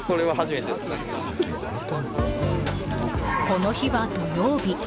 この日は土曜日。